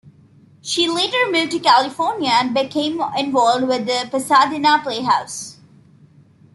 She later moved to California and became involved with the Pasadena Playhouse.